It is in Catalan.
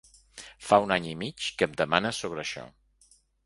Fa un any i mig que em demanes sobre això.